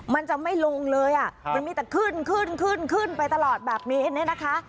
มันจะไม่ลงเลยมันมีแต่ขึ้นไปตลอดแบบนี้นะคะ